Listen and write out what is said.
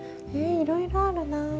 いろいろあるな。